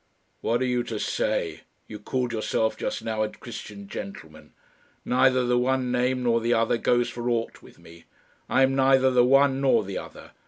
"What are you to say? You called yourself just now a Christian gentleman. Neither the one name nor the other goes for aught with me. I am neither the one nor the other.